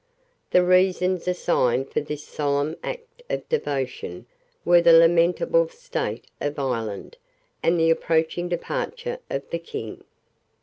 The reasons assigned for this solemn act of devotion were the lamentable state of Ireland and the approaching departure of the King.